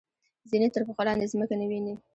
ځینې تر پښو لاندې ځمکه نه ویني.